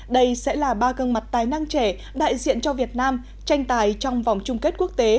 đây sẽ là ba gương mặt tài năng trẻ đại diện cho việt nam tranh tài trong vòng chung kết quốc tế